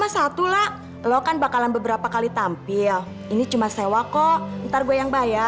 sampai jumpa di video selanjutnya